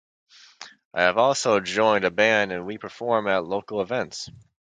I have also joined a band and we perform at local events.